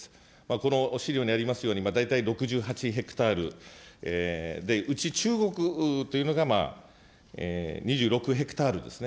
この資料にありますように、大体６８ヘクタールで、うち中国というのが、まあ２６ヘクタールですね。